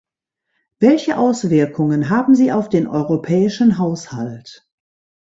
Welche Auswirkungen haben sie auf den europäischen Haushalt?